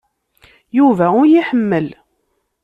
Yuba ur iyi-iḥemmel.